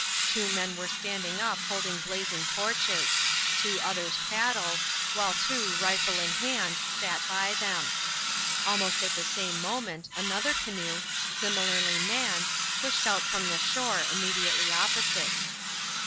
Two men were standing up holding blazing torches; two others paddled; while two, rifle in hand, sat by them. Almost at the same moment another canoe, similarly manned, pushed out from the shore immediately opposite.